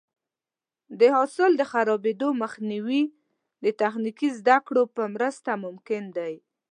د حاصل د خرابېدو مخنیوی د تخنیکي زده کړو په مرسته ممکن دی.